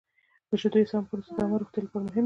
د شیدو سمه پروسس د عامې روغتیا لپاره مهم دی.